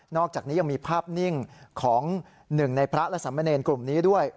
อกจากนี้ยังมีภาพนิ่งของหนึ่งในพระและสามเณรกลุ่มนี้ด้วย